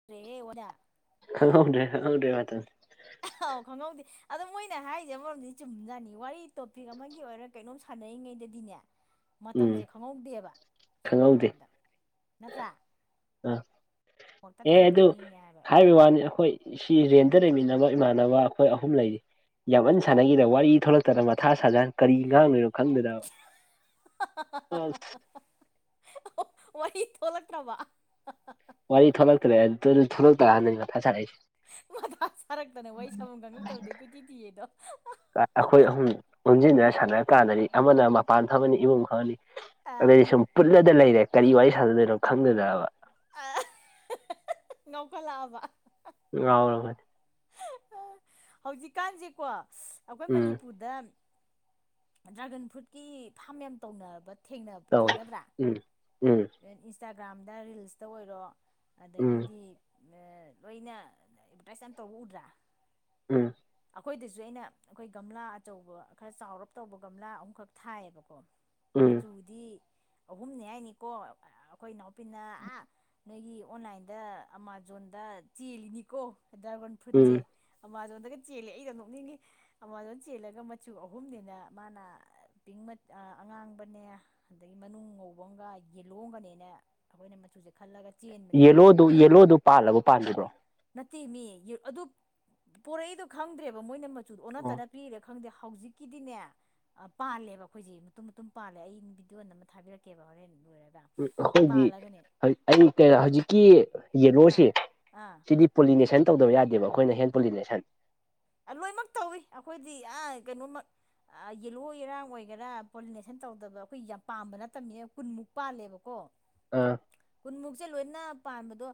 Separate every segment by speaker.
Speaker 1: [unintelligible]
Speaker 2: ꯈꯪꯍꯧꯗ꯭ꯔꯦ ꯈꯪꯍꯧꯗ꯭ꯔꯦ ꯕꯇꯥ
Speaker 1: ꯑꯥꯍꯥꯎ ꯈꯪꯍꯧꯗꯦ ꯑꯗꯣ ꯃꯣꯏꯅ ꯍꯥꯏꯔꯤꯁꯦ ꯃꯔꯣꯝꯗꯗꯤ ꯆꯨꯝꯖꯥꯠꯅꯤ ꯋꯥꯔꯤ ꯇꯣꯄꯤꯛ ꯑꯃꯒꯤ ꯑꯣꯏꯔ ꯀꯩꯅꯣꯝ ꯁꯥꯟꯅꯌꯤꯉꯩꯗꯗꯤꯅꯦ
Speaker 2: ꯎꯝ
Speaker 1: ꯃꯇꯝꯖꯦ ꯈꯪꯍꯧꯗꯦꯕ ꯁꯦꯡꯅ
Speaker 2: ꯈꯪꯍꯧꯗꯦ
Speaker 1: ꯍꯥꯏꯔꯕꯗ ꯅꯠꯇ꯭ꯔꯥ
Speaker 2: ꯑꯥ
Speaker 1: ꯐꯣꯟ
Speaker 2: ꯑꯦ ꯑꯗꯨ
Speaker 1: ꯇꯠꯈ꯭ꯔꯤꯕꯣꯏ ꯅꯤꯡꯉꯦ ꯍꯥꯏꯕ
Speaker 2: ꯍꯥꯏꯋꯦ ꯋꯥꯅꯤ ꯑꯥꯈꯣꯏ ꯁꯤ ꯔꯦꯟꯗ ꯂꯩꯃꯤꯟꯅꯕ ꯏꯃꯥꯟꯅꯕ ꯑꯩꯈꯣꯏ ꯑꯍꯨꯝ ꯂꯩꯔꯤ ꯌꯥꯝꯃꯟ
Speaker 1: ꯎꯝ
Speaker 2: ꯁꯥꯟꯅꯈꯤꯗ ꯋꯥꯔꯤ ꯊꯣꯛꯂꯛ ꯇꯔꯪ ꯃꯊꯥ ꯁꯥꯖꯥꯠꯅꯤ ꯀꯔꯤ ꯉꯥꯡꯗꯣꯏꯅꯣ ꯈꯪꯗꯗꯕ
Speaker 1: ꯍꯥ ꯍꯥ ꯍꯥ ꯍꯥ ꯋꯥꯔꯤ ꯊꯣꯛꯂꯛꯇ꯭ꯔꯕ
Speaker 2: ꯋꯥꯔꯤ ꯊꯣꯛꯂꯛꯇ꯭ꯔꯦ ꯗꯨꯅ ꯊꯨꯂꯛꯇ ꯅꯩꯕ ꯊꯥ ꯁꯥꯔꯛ ꯢꯁꯦ
Speaker 1: ꯃꯊꯥ ꯁꯥꯥꯔꯛꯇꯅ ꯋꯥꯔꯤ ꯁꯐꯝ ꯈꯪꯉꯛꯇꯕꯗꯩ ꯀꯣꯏꯊꯤ ꯊꯤꯌꯦꯗꯣ
Speaker 2: ꯀꯥꯏ ꯑꯈꯣꯏ ꯑꯍꯨꯝꯅꯦ ꯑꯣꯟꯁꯤꯟꯅꯔ ꯁꯥꯟꯅꯔꯀꯥꯟꯗꯗꯤ ꯑꯃꯅ ꯃꯄꯥꯟ ꯐꯝꯃꯅꯤ ꯏꯃꯨꯡ ꯐꯝꯃꯅꯤ
Speaker 1: ꯑꯥ
Speaker 2: ꯑꯗꯩ ꯁꯨꯝ ꯄꯨꯜꯂꯗ ꯂꯩꯔꯦ ꯀꯔꯤ ꯋꯥꯔꯤ ꯁꯥꯥꯟꯅꯗꯣꯏꯅꯣ ꯈꯪꯗꯗꯅꯕ
Speaker 1: ꯑ ꯉꯥꯎꯈꯠꯂꯛꯑꯕ
Speaker 2: ꯉꯥꯎꯔꯕꯅꯦ
Speaker 1: ꯍꯧꯖꯤꯛꯀꯥꯟꯁꯦꯀꯣ ꯑꯩꯈꯣꯏ
Speaker 2: ꯎꯝ
Speaker 1: ꯃꯅꯤꯄꯨꯔꯗ ꯗ꯭ꯔꯥꯒꯟ ꯐ꯭ꯔꯨꯠꯀꯤ ꯐꯥꯝ ꯌꯥꯝ ꯇꯧꯅꯔꯕꯠ
Speaker 2: ꯇꯧꯏ ꯎꯝ ꯎꯝ
Speaker 1: ꯏꯟꯁꯇꯥꯒ꯭ꯔꯥꯝꯗ ꯔꯤꯜꯁꯇ ꯑꯣꯏꯔꯣ
Speaker 2: ꯎꯝ
Speaker 1: ꯑꯗꯒꯤꯗꯤ ꯑ ꯂꯣꯏꯅ ꯑꯦꯗꯚꯔꯇꯥꯏꯖ ꯌꯥꯝ ꯇꯧꯕ ꯎꯗ꯭ꯔꯥ
Speaker 2: ꯎꯝ
Speaker 1: ꯑꯈꯣꯏꯗꯁꯨ ꯑꯩꯅ ꯑꯩꯈꯣꯏ ꯒꯝꯂꯥ ꯑꯆꯧꯕ ꯈꯔ ꯆꯥꯎꯔꯞ ꯇꯧꯕ ꯒꯝꯂꯥ ꯑꯍꯨꯝꯈꯛ ꯊꯥꯏꯑꯕꯀꯣ
Speaker 2: ꯎꯝ
Speaker 1: ꯃꯆꯨꯗꯤ ꯑꯍꯨꯝꯅꯤ ꯍꯥꯏꯅꯤꯀꯣ ꯑ ꯑꯩꯈꯣꯏ ꯏꯅꯥꯎꯄꯤꯅ ꯑꯥ ꯅꯣꯏꯒꯤ ꯑꯣꯟꯂꯥꯏꯟꯗ ꯑꯃꯥꯖꯣꯟꯗ ꯆꯦꯜꯂꯤꯅꯤꯀꯣ ꯗ꯭ꯔꯒꯣꯟ
Speaker 2: ꯎꯝ
Speaker 1: ꯐ꯭ꯔꯨꯠꯁꯦ ꯑꯃꯥꯖꯣꯟꯗꯒ ꯆꯦꯜꯂꯦ ꯑꯩꯅ ꯅꯣꯛꯅꯤꯡꯉꯤ ꯑꯃꯥꯖꯣꯟ ꯆꯦꯜꯂꯒ ꯃꯆꯨ ꯑꯍꯨꯝꯅꯦꯅ ꯃꯥꯅ ꯄꯤꯡ ꯃꯠ ꯑ ꯑꯉꯥꯡꯕꯅꯦ ꯑꯗꯒꯤ ꯃꯅꯨꯡ ꯉꯧꯕ ꯑꯃꯒ ꯌꯦꯜꯂꯣ ꯑꯝꯒꯅꯦꯅ ꯑꯩꯈꯣꯏꯅ ꯃꯆꯨꯁꯦ ꯈꯜꯂꯒ ꯆꯦꯟꯕꯅꯦ
Speaker 2: ꯌꯦꯂꯣꯗꯨ ꯌꯦꯂꯣꯗꯨ ꯄꯥꯜꯂꯕ ꯄꯥꯜꯗ꯭ꯔꯤꯕ꯭ꯔꯣ
Speaker 1: ꯅꯠꯇꯦ ꯃꯤ ꯑꯗꯨ ꯄꯣꯔꯛꯏꯗꯣ ꯈꯪꯗ꯭ꯔꯦꯕ ꯃꯣꯏꯅ ꯃꯆꯨꯗꯣ ꯑꯣꯟꯅ
Speaker 2: ꯎꯝ
Speaker 1: ꯇꯩꯅ ꯄꯤꯔꯥ ꯈꯪꯗꯦ ꯍꯧꯖꯤꯛꯀꯤꯗꯤꯅꯦ ꯑ ꯄꯥꯜꯂꯦꯕ ꯑꯩꯈꯣꯏꯁꯤ ꯃꯇꯨꯝ ꯃꯇꯨꯝ ꯄꯥꯜꯂꯦ ꯑꯩ ꯚꯤꯗꯤꯑꯣ ꯅꯝꯃ ꯊꯥꯕꯤꯔꯛꯀꯦꯕ ꯍꯣꯔꯦꯟ ꯂꯣꯏꯔꯒ
Speaker 2: ꯎꯝ ꯑꯩꯈꯣꯏꯗꯤ
Speaker 1: ꯄꯥꯜꯂꯒꯅꯦ
Speaker 2: ꯑꯩ ꯑꯩ ꯀꯦꯔꯥ ꯍꯧꯖꯤꯛꯀꯤ
Speaker 1: ꯑꯥ
Speaker 2: ꯌꯦꯂꯣꯁꯦ
Speaker 1: ꯑꯥ
Speaker 2: ꯁꯤꯗꯤ ꯄꯣꯂꯤꯅꯦꯁꯟ ꯇꯧꯗꯕ ꯌꯥꯗꯦꯕ ꯑꯩꯈꯣꯏꯅ ꯍꯦꯟ ꯄꯣꯂꯤꯅꯦꯁꯟ
Speaker 1: ꯑ ꯂꯣꯏꯃꯛ ꯇꯧꯏ ꯑꯩꯈꯣꯏꯗꯤ ꯑ ꯀꯩꯅꯣꯃꯛ ꯑꯥ ꯌꯦꯜꯂꯣ ꯌꯦꯔꯥꯡ ꯑꯣꯏꯒꯦꯔꯥ ꯄꯣꯂꯤꯅꯦꯁꯟ ꯇꯧꯗꯕ ꯑꯈꯣꯏ ꯌꯥꯝ ꯄꯥꯝꯕ ꯅꯠꯇꯝꯅꯤꯅ ꯀꯨꯟꯃꯨꯛ ꯄꯥꯜꯂꯦꯕꯀꯣ
Speaker 2: ꯑ
Speaker 1: ꯀꯨꯟꯃꯨꯛꯖꯦ ꯂꯣꯏꯅ ꯄꯥꯟꯕꯗꯣ